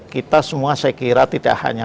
kita semua saya kira tidak hanya